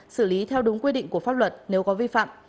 xử lý theo đúng quy định của pháp luật nếu có vi phạm